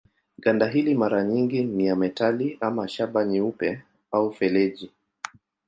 Ganda hili mara nyingi ni ya metali ama shaba nyeupe au feleji.